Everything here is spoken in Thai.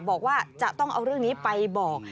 บอกว่าจะต้องเอาเรื่องนี้ไปบอก